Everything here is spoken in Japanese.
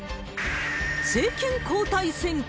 政権交代選挙？